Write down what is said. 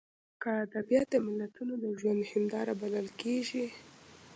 که ادبیات د ملتونو د ژوند هینداره بلل کېږي.